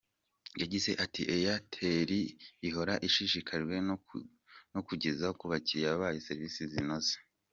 Yagize ati “Airtelihora ishishikajwe no kugeza ku bakiriya bayo serivisi zinoze.